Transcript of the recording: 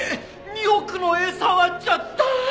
２億の絵触っちゃった！